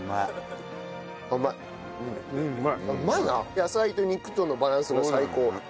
野菜と肉とのバランスが最高。